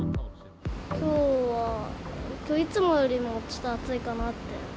きょうはいつもよりもちょっと暑いかなって。